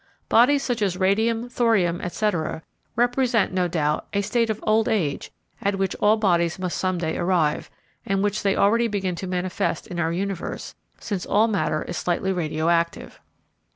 Bodies such as radium, thorium, etc., represent, no doubt, a state of old age at which all bodies must some day arrive, and which they already begin to manifest in our universe, since all matter is slightly radio active.